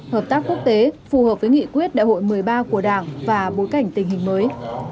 hợp tác quốc tế phù hợp với nghị quyết đại hội một mươi ba của đảng và bối cảnh tình hình mới